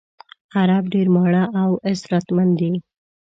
عرب ډېر ماړه او اسراتمن دي.